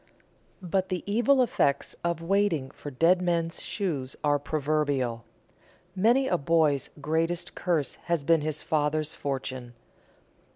But the evil effects of waiting for dead men's shoes are proverbial. Many a boy's greatest curse has been his father's fortune.